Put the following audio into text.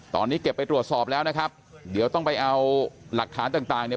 ตอนนี้เก็บไปตรวจสอบแล้วนะครับเดี๋ยวต้องไปเอาหลักฐานต่างต่างเนี่ย